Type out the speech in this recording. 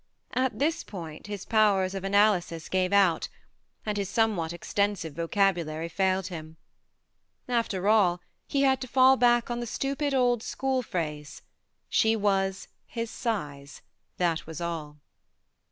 At this point his powers of analysis gave out, and 54 THE MARNE his somewhat extensive vocabulary failed him. After all, he had to fall back on the stupid old school phrase : she was " his size " that was all.